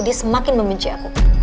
dia semakin membenci aku